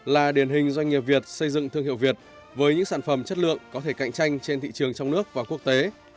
là điển hình doanh nghiệp việt xây dựng thương hiệu việt với những sản phẩm chất lượng có thể cạnh tranh trên thị trường trong nước và quốc tế